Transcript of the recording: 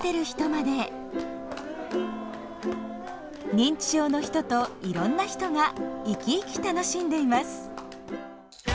認知症の人といろんな人が生き生き楽しんでいます。